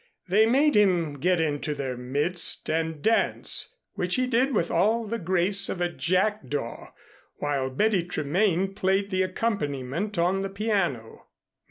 They made him get into their midst and dance, which he did with all the grace of a jackdaw, while Betty Tremaine played the accompaniment on the piano.